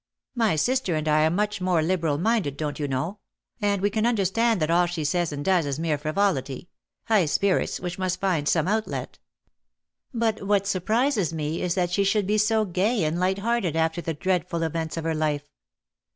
My sister and I are much VOL. III. p 210 ^' HIS LADY SMILES j more liberal minded; don't you know ; and we can understand that all she says and does is mere frivolity — high spirits which must find some outlet. But what surprises me is that she should be so gay and light hearted after the dreadful events of her life.